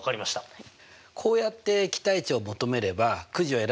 はい。